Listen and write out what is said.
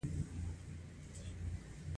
لوی پانګوال په بانکونو کې هم مقام لري